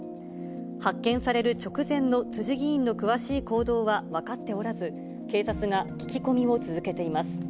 発見される直前の辻議員の詳しい行動は分かっておらず、警察が聞き込みを続けています。